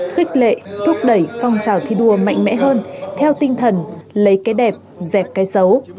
khích lệ thúc đẩy phong trào thi đua mạnh mẽ hơn theo tinh thần lấy cái đẹp dẹp cái xấu